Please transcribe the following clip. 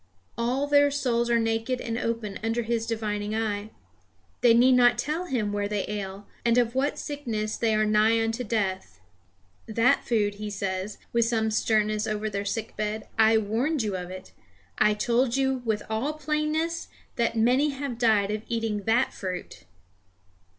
All their souls are naked and open under his divining eye. They need not to tell him where they ail, and of what sickness they are nigh unto death. That food, he says, with some sternness over their sick bed, I warned you of it; I told you with all plainness that many have died of eating that fruit!